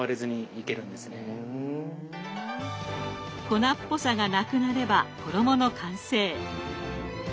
粉っぽさがなくなれば衣の完成。